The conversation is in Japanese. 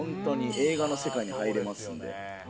映画の世界に入れますんで。